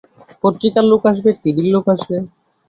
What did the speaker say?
পত্রিকার লোক আসবে, টিভির লোক আসবে।